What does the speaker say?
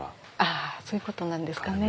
あそういうことなんですかね。